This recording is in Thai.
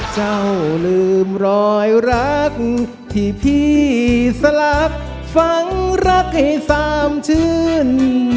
เจ้าลืมรอยรักที่พี่สลักฝังรักให้สามชื่น